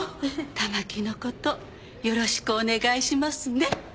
たまきのことよろしくお願いしますね。